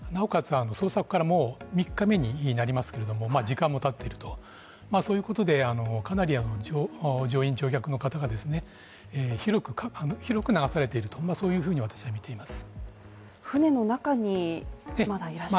あの捜索からもう３日目になりますけれども時間も経ってるとそういうことで乗員乗客の方がですね、広く流されているとそういうふうに私は見ています。